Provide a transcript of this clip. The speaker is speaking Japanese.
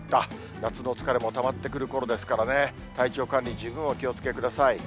夏の疲れもたまってくるころですからね、体調管理、十分お気をつけください。